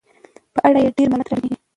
په اړه یې ډېر معلومات راکړي دي.